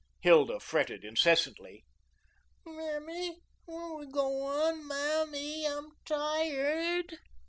Hilda fretted incessantly. "Mammy, where're we gowun? Mammy, I'm tired."